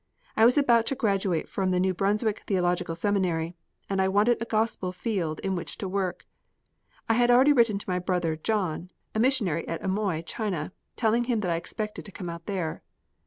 I was about to graduate from the New Brunswick Theological Seminary, and wanted a Gospel field in which to work. I had already written to my brother John, a missionary at Amoy, China, telling him that I expected to come out there.